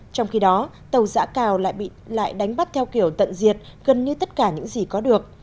trong khi đó tàu giã cào lại đánh bắt theo kiểu tận diệt gần như tất cả những gì có được